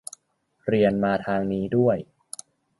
เรียนมาทางนี้ด้วย